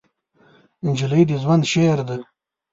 نجلۍ د ژوند شعر ده.